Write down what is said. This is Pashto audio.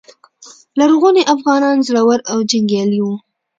لرغوني افغانان زړور او جنګیالي وو